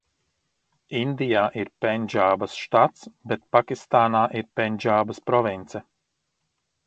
Indijā ir Pendžābas štats, bet Pakistānā ir Pendžābas province.